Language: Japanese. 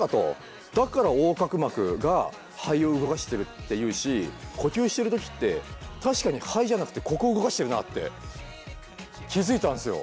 だから横隔膜が肺を動かしてるっていうし呼吸してる時って確かに肺じゃなくてここ動かしてるなって気付いたんですよ！